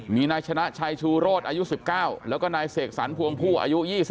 มีนายชนะชัยชูโรศอายุ๑๙แล้วก็นายเสกสรรพวงผู้อายุ๒๕